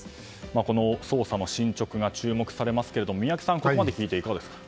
この捜査の進捗が注目されますが宮家さん、ここまで聞いていかがですか。